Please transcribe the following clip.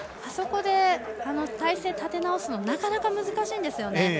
あそこで体勢、立て直すのなかなか難しいんですね。